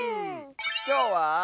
きょうは。